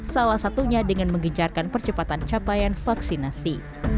salah satunya dengan menggencarkan percepatan capaian vaksinasi